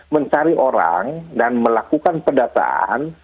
mencari orang dan melakukan pendataan